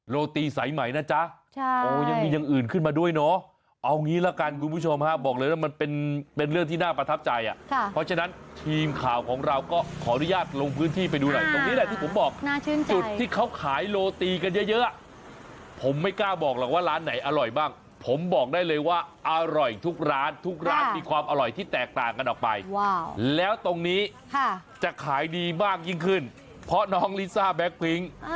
โรตีสายใหม่นะจ๊ะใช่โอ้ยังมีอย่างอื่นขึ้นมาด้วยเนอะเอางี้ละกันคุณผู้ชมฮะบอกเลยว่ามันเป็นเรื่องที่น่าประทับใจอ่ะค่ะเพราะฉะนั้นทีมข่าวของเราก็ขออนุญาตลงพื้นที่ไปดูหน่อยตรงนี้แหละที่ผมบอกจุดที่เขาขายโรตีกันเยอะน่าชื่นใจผมไม่กล้าบอกหรอกว่าร้านไหนอร่อยบ้าง